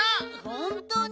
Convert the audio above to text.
ほんとに？